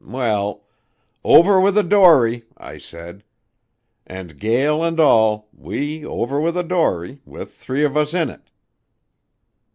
Well, 'Over with a dory!' I said. And, gale and all, we over with a dory, with three of us in it.